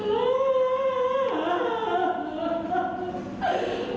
อุ้ง